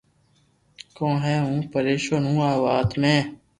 ڪون ڪي ھون پريݾون ھون آ وات ۾